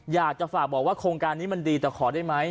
อยากจะฝากบอกว่าโครงการนี้มันดีแต่ขอได้ไหม